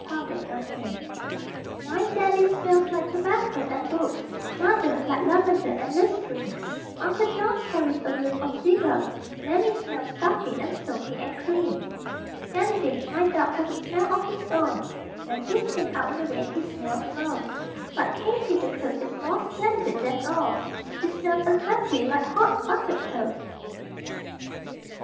_ SMELLS (JUNIOR) My Daddy smells like tobacco and books, Mother, like lavender and listerine; Uncle John carries a whiff of cigars, Nannie smells starchy and soapy and clean. Shandy, my dog, has a smell of his own (When he's been out in the rain he smells most); But Katie, the cook, is more splendid than all She smells exactly like hot buttered toast!